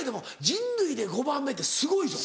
人類で５番目ってすごいぞ。